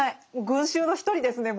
群衆の一人ですね